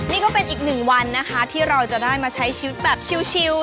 นี่ก็เป็นอีกหนึ่งวันนะคะที่เราจะได้มาใช้ชีวิตแบบชิล